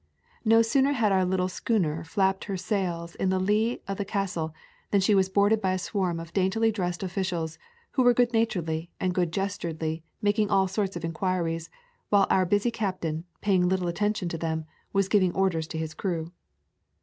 No sooner had our little schooner flapped her sails in the lee of the Castle than she was boarded by a swarm of daintily dressed officials who were good naturedly and good gesturedly making all sorts of inquiries, while our busy captain, paying little attention to them, was giving orders to his crew.